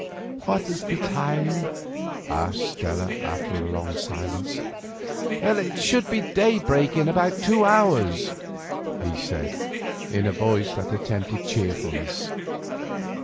"What is the time?" asked Stella, after a long silence. "It should be daybreak in about two hours," he said, in a voice that attempted cheerfulness.